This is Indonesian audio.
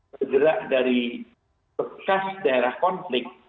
bergerak dari bekas daerah konflik